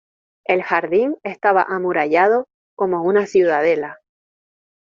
el jardín estaba amurallado como una ciudadela.